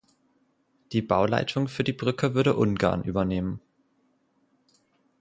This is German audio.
Die Bauleitung für die Brücke würde Ungarn übernehmen.